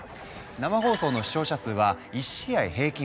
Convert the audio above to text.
生放送の視聴者数は１試合平均